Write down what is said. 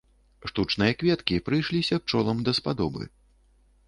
Штучныя кветкі прыйшліся пчолам даспадобы.